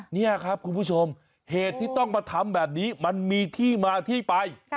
นี่ครับคุณผู้ชมเหตุที่ต้องมาทำแบบนี้มันมีที่มาที่ไป